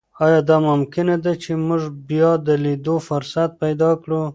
ایا دا ممکنه ده چې موږ بیا د لیدو فرصت پیدا کړو؟